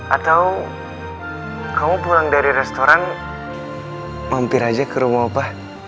atau kamu pulang dari restoran mampir aja ke rumah